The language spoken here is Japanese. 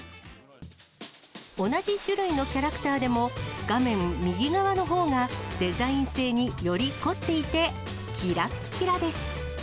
同じ種類のキャラクターでも、画面右側のほうがデザイン性により凝っていて、きらっきらです。